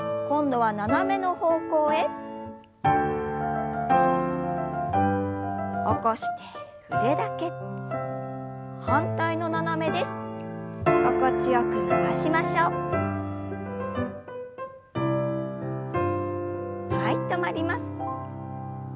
はい止まります。